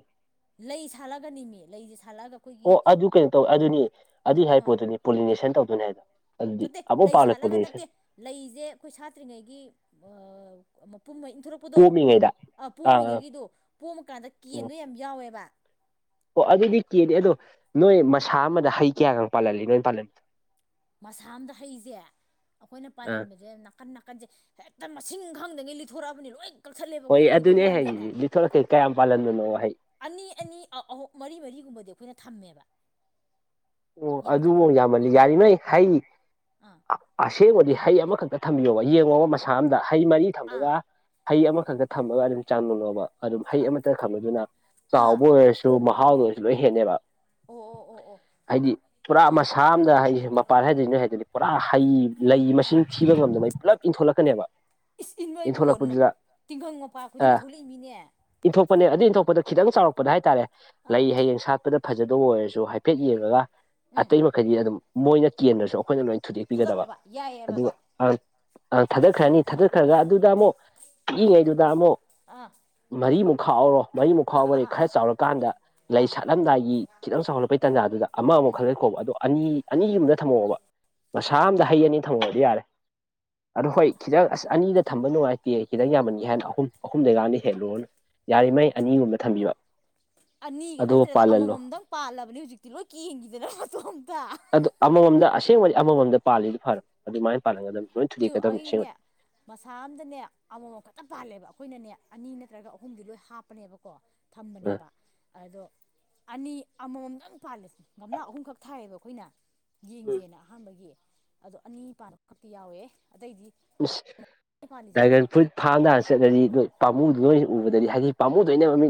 Speaker 1: ꯂꯩ ꯁꯥꯠꯂꯒꯅꯤꯅꯦ ꯂꯩꯖꯤ ꯁꯥꯠꯂꯑꯒ
Speaker 2: ꯑꯣ ꯑꯗꯨ ꯀꯩꯅꯣ ꯇꯧ ꯑꯗꯨꯅꯤ ꯑꯗꯨꯏ ꯍꯥꯏ
Speaker 1: ꯑꯥ
Speaker 2: ꯄꯣꯠꯇꯨꯅꯤ ꯄꯣꯂꯤꯅꯦꯁꯟ ꯇꯧꯗꯣꯏꯅꯤ ꯍꯥꯏꯗꯣ ꯑꯗꯨꯗꯤ
Speaker 1: ꯅꯠꯇꯦ
Speaker 2: ꯑꯃꯨꯛ
Speaker 1: ꯂꯩ
Speaker 2: ꯄꯥꯜꯂꯦ
Speaker 1: ꯁꯥꯠꯂꯒ
Speaker 2: ꯄꯣꯂꯤꯅꯦꯁꯟ
Speaker 1: ꯅꯠꯇꯦ ꯂꯩꯖꯦ ꯑꯩꯈꯣꯏ ꯁꯥꯇ꯭ꯔꯤꯉꯩꯒꯤ ꯑꯥ ꯃꯄꯨꯝ ꯏꯟꯊꯣꯔꯛꯄ ꯄꯗꯣ
Speaker 2: ꯄꯣꯝꯃꯤꯉꯩꯗ
Speaker 1: ꯑꯥ ꯄꯣꯝꯃꯤꯉꯩꯒꯤꯗꯣ ꯄꯣꯝꯃꯀꯥꯟꯗ
Speaker 2: ꯎꯝ
Speaker 1: ꯀꯦꯟꯕ ꯌꯥꯝ ꯌꯥꯎꯋꯦꯕ
Speaker 2: ꯑꯣ ꯑꯗꯨꯗꯤ ꯀꯦꯟꯅꯤ ꯑꯗꯣ ꯅꯣꯏ ꯃꯁꯥ ꯑꯃꯗ ꯍꯩ ꯀꯌꯥꯒ ꯄꯥꯜꯍꯜꯂꯤ ꯅꯣꯏꯅ ꯄꯥꯜꯍꯜꯂꯤꯗꯣ
Speaker 1: ꯃꯁꯥ ꯑꯝꯗ ꯍꯩꯖꯦ ꯑꯈꯣꯏꯅ
Speaker 2: ꯑꯥ
Speaker 1: ꯄꯥꯜꯍꯟꯕꯖꯦ ꯀꯟ ꯅꯥꯀꯟꯖꯦ ꯍꯦꯛꯇ ꯃꯁꯤꯡ ꯈꯪꯗꯉꯩ ꯂꯤꯊꯣꯔꯛꯑꯕꯅꯤ ꯂꯣꯏ ꯀꯛꯊꯠꯂꯦꯕ
Speaker 2: ꯍꯣꯏ
Speaker 1: ꯑꯩꯈꯣꯏꯅ ꯑꯣꯏꯗꯧ
Speaker 2: ꯑꯗꯨꯅꯦ ꯑꯩ
Speaker 1: ꯃꯥꯟꯗꯦꯅ
Speaker 2: ꯍꯪꯏꯖꯦ ꯂꯤꯊꯣꯔꯛꯀꯦ ꯀꯌꯥꯝ ꯄꯥꯜꯍꯟꯕꯅꯣ ꯍꯩꯖꯦ
Speaker 1: ꯑꯅꯤ ꯑꯅꯤ ꯑꯍꯨꯝ ꯃꯔꯤ ꯃꯔꯤꯒꯨꯝꯕꯗꯤ ꯑꯈꯣꯏꯅ ꯊꯝꯃꯦꯕ
Speaker 2: ꯑꯣ ꯑꯗꯨꯕꯧ
Speaker 1: ꯌꯥꯗꯕ꯭ꯔꯕ
Speaker 2: ꯌꯥꯝꯃꯜꯂꯤ ꯌꯥꯔꯤꯃꯩ ꯍꯩ
Speaker 1: ꯑꯥ
Speaker 2: ꯑꯁꯦꯡꯕꯗꯤ ꯍꯩ ꯑꯝꯈꯛꯇ ꯊꯝꯕꯤꯌꯣꯕ ꯌꯦꯡꯉꯣꯕ ꯃꯁꯥ ꯑꯝꯗ ꯍꯩ ꯃꯔꯤ
Speaker 1: ꯑꯥ
Speaker 2: ꯊꯝꯕꯥꯒ ꯍꯩ ꯑꯃꯈꯛꯇ ꯊꯝꯃꯒ ꯑꯗꯨꯝ ꯆꯥꯡꯗꯝꯅꯧꯕ ꯑꯗꯨꯝ ꯍꯩ ꯑꯃꯇ ꯊꯝꯕꯗꯨꯅ
Speaker 1: ꯑꯥ
Speaker 2: ꯆꯥꯎꯕ ꯑꯣꯏꯔꯁꯨ ꯁꯨ ꯃꯍꯥꯎꯗꯣ ꯑꯣꯏꯔꯁꯨ ꯂꯣꯏ ꯍꯦꯟꯅꯤꯕ
Speaker 1: ꯑꯣ ꯑꯣ ꯑꯣ ꯑꯣ
Speaker 2: ꯍꯥꯏꯗꯤ ꯄꯨꯔꯥ
Speaker 1: ꯑꯥ
Speaker 2: ꯃꯁꯥ ꯑꯝꯗ ꯍꯥꯏꯗꯤ ꯃꯄꯥꯟ ꯍꯥꯏꯗꯣꯗꯤ ꯅꯣꯏ ꯍꯥꯏꯗꯨꯗꯤ ꯄꯨꯔꯥ ꯍꯩ ꯂꯩ
Speaker 1: ꯑꯥ
Speaker 2: ꯃꯁꯤꯡ ꯊꯤꯕ ꯉꯝꯗꯃꯩ ꯄꯨꯂꯞ ꯏꯟꯊꯣꯂꯛꯀꯅꯦꯕ
Speaker 1: ꯏꯁ ꯏ ꯅꯣꯏꯕꯨ ꯇꯤꯡꯈꯪ ꯃꯄꯥ ꯈꯨꯗꯤꯡꯒꯤ
Speaker 2: ꯑ
Speaker 1: ꯊꯣꯛꯂꯛꯏ ꯃꯤꯅꯦ
Speaker 2: ꯏꯟꯊꯣꯛꯄꯅꯦ ꯑꯗꯨ ꯏꯟꯊꯣꯛꯄꯗꯣ ꯈꯤꯇꯪ ꯆꯥꯎꯔꯛꯄꯗ ꯍꯥꯏꯇꯥꯔꯦ
Speaker 1: ꯑꯥ
Speaker 2: ꯂꯩ ꯍꯌꯦꯡ ꯁꯥꯠꯄꯗ ꯐꯖꯗꯧꯕ ꯑꯣꯏꯔꯁꯨ ꯍꯥꯏꯐꯦꯠ ꯌꯦꯡꯉꯒ
Speaker 1: ꯎꯝ
Speaker 2: ꯑꯇꯩ ꯃꯈꯩꯗꯤ ꯑꯗꯨꯝ ꯃꯣꯏꯅ ꯀꯦꯟꯗ꯭ꯔꯁꯨ ꯑꯩꯈꯣꯏꯅ ꯂꯣꯏꯅ ꯊꯨꯗꯦꯛꯄꯤꯒꯗꯕ
Speaker 1: ꯊꯥꯗꯠꯂꯣꯕ ꯌꯥꯏꯌꯦꯕ
Speaker 2: ꯑꯗꯨꯒ
Speaker 1: ꯑꯗꯣ
Speaker 2: ꯑꯪꯪ ꯊꯥꯗꯠꯈ꯭ꯔꯅꯤ ꯊꯥꯗꯠꯈ꯭ꯔꯒ ꯑꯗꯨꯗ ꯑꯃꯨꯛ ꯄꯤꯛꯏꯉꯩꯗꯨꯗ ꯑꯃꯨꯛ
Speaker 1: ꯑꯥ
Speaker 2: ꯃꯔꯤꯃꯨꯛ ꯈꯥꯛꯍꯧꯔꯣ ꯃꯔꯤꯃꯨꯛ
Speaker 1: ꯑꯥ
Speaker 2: ꯈꯥꯛꯍꯧ
Speaker 1: ꯑꯥ
Speaker 2: ꯕꯗꯩꯩ
Speaker 1: ꯑꯥ ꯑꯥ
Speaker 2: ꯈꯔ ꯆꯥꯎꯔꯀꯥꯟꯗ ꯂꯩ
Speaker 1: ꯑꯥ
Speaker 2: ꯁꯥꯠꯂꯝꯗꯥꯏꯒꯤ ꯈꯤꯇꯪ ꯆꯥꯎꯈꯠꯂꯛꯄꯩ ꯇꯥꯟꯖꯥꯗꯨꯗ ꯑꯃ ꯃꯨꯛ ꯈꯜꯂ ꯀꯥꯀꯣꯕꯥ ꯑꯗꯣ ꯑꯅꯤ ꯑꯅꯤꯒꯨꯝꯕꯗ ꯊꯝꯍꯧꯑꯣꯕ ꯃꯁꯥ
Speaker 1: ꯑꯥ ꯑꯥ
Speaker 2: ꯑꯝꯗ ꯍꯩ ꯑꯅꯤ ꯊꯝꯍꯧꯔꯗꯤ ꯌꯥꯔꯦ ꯑꯗꯣ ꯍꯣꯏ ꯈꯤꯇꯪ ꯑꯁ ꯑꯅꯤꯗ ꯊꯝꯕ ꯅꯨꯡꯉꯥꯏꯇꯦ ꯈꯤꯇꯪ ꯌꯥꯝꯍꯟꯒꯦ ꯍꯥꯏꯅ ꯑꯍꯨꯝ ꯑꯍꯨꯝꯗꯩ ꯒꯗꯤ ꯍꯦꯜꯂꯨꯔꯅꯨ ꯌꯥꯔꯤꯃꯩ ꯑꯅꯤꯒꯨꯝꯕ ꯊꯝꯕꯤꯕ ꯑꯗꯨ ꯄꯥꯜꯍꯜꯂꯣ
Speaker 1: ꯄꯥꯜꯂꯕꯅꯦ ꯍꯧꯖꯤꯛꯇꯤ ꯂꯣꯏ ꯀꯦꯟꯒꯤꯗꯅ ꯃꯇꯣꯝꯇ
Speaker 2: ꯑꯗꯨ ꯑꯃꯃꯝꯗ ꯑꯁꯦꯡꯕꯗꯤ ꯑꯃꯃꯝꯗ ꯄꯥꯜꯂꯤꯗꯨ ꯐꯔꯝ ꯑꯗꯨꯃꯥꯏꯅ ꯄꯥꯜꯍꯟꯒꯗꯝꯅꯤ ꯂꯣꯏ
Speaker 1: ꯇꯨ
Speaker 2: ꯊꯨꯗꯦꯛꯀꯗꯝꯅꯤ
Speaker 1: ꯑꯩꯅꯦ
Speaker 2: ꯑꯁꯦꯡꯕꯗꯤ
Speaker 1: ꯃꯁꯥ ꯑꯝꯗꯅꯦ ꯑꯃꯃꯝ ꯈꯛꯇꯪ ꯄꯥꯜꯂꯦꯕ ꯑꯩꯈꯣꯏꯅꯅꯦ ꯑꯅꯤ ꯅꯠꯇ꯭ꯔꯒ ꯑꯍꯨꯝꯗꯤ ꯂꯣꯏ ꯍꯥꯞꯄꯅꯦꯕꯀꯣ
Speaker 2: ꯑ
Speaker 1: ꯊꯝꯕꯅꯦꯕ ꯑꯗꯣ ꯑꯅꯤ ꯑꯃꯃꯝꯗꯪ ꯄꯥꯜꯂꯦ ꯒꯝꯂꯥ ꯑꯍꯨꯝꯈꯛ ꯊꯥꯏꯌꯦꯕ ꯑꯩꯈꯣꯏꯅ ꯌꯦꯡꯖꯦꯅ ꯑꯍꯥꯟꯕꯒꯤ ꯑꯗꯣ ꯑꯅꯤ ꯄꯥꯟꯕꯥ ꯑꯝꯈꯛꯇꯤ ꯌꯥꯎꯋꯦ ꯑꯇꯩꯗꯤ
Speaker 2: ꯏꯁ
Speaker 1: ꯑꯩ ꯄꯥꯜꯂꯤꯁꯦ
Speaker 2: ꯗ꯭ꯔꯥꯏꯒꯟ ꯐ꯭ꯔꯨꯠ ꯐꯥꯔ꯭ꯝ ꯗꯒꯥ ꯆꯠꯂꯗꯤ ꯅꯣꯏꯅ ꯄꯥꯝꯃꯨꯗꯤꯁꯦ ꯎꯕꯗꯗꯤ ꯍꯥꯏꯗꯤ ꯄꯥꯃꯨꯗꯣꯏꯅꯦꯕ ꯃꯤꯅ